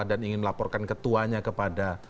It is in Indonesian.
dan ingin melaporkan ketuanya kepada